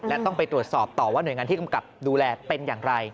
และต้องไปตรวจสอบต่อว่าหน่วยงานที่กำกับดูแลเป็นอย่างไร